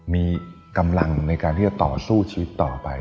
มีกำลังในการที่จะต่อสู้ชีวิตต่อไป